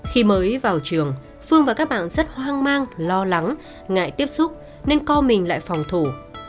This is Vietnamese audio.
khi mới vào trường phương và các bạn rất hoang mang lo lắng ngại tiếp xúc nên co mình lại phòng thủ